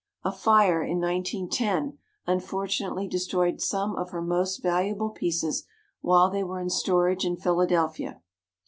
A fire in 1910 un fortunately destroyed some of her most valuable pieces while they were in storage in Philadelphia.